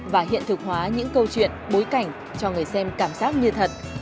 và hiện thực hóa những câu chuyện bối cảnh cho người xem cảm giác như thật